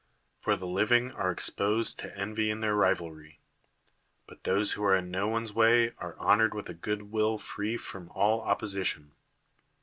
For the living are exposed to en\'y in their rivalry; but those who are in no one's way are honored with a good will free from all opposition.